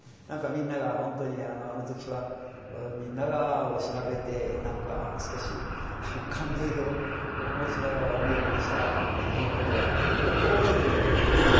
なんかみんながほんとにあの時はみんながおしなべてなんか少し感涙をもちながらお見送りした日のことはよく覚えております。